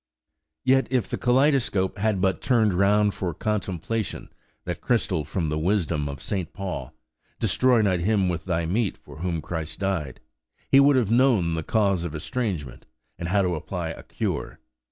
Yet, if the kaleidoscope had but turned round for contemplation that crystal from the wisdom of St. Paul, "Destroy not him with thy meat for whom Christ died," he would have known the cause of estrangement, and how to apply a cure.